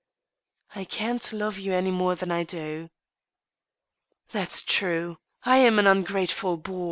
I can't love you any more than I do." "That's true. I am an ungrateful boor.